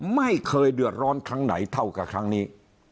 ไม่เคยเดือดร้อนครั้งไหนเท่ากับครั้งนี้